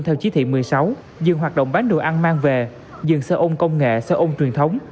theo chí thị một mươi sáu dừng hoạt động bán đồ ăn mang về dừng sơ ôn công nghệ sơ ôn truyền thống